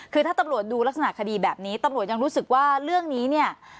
คือถ้าตำรวจดูลักษณะคดีแบบนี้ตำรวจยังรู้สึกว่าเรื่องนี้เนี่ย